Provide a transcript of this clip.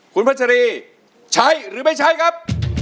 คุณพัชรีใช้หรือไม่ใช้ครับ